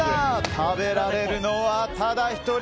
食べられるのはただ１人。